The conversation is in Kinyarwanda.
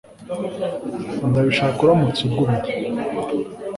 Ndabishaka cyane uramutse ugumye